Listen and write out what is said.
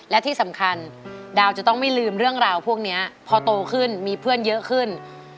และที่สำคัญดาวจะต้องไม่ลืมเรื่องราวพวกนี้พอโตขึ้นมีเพื่อนเยอะขึ้น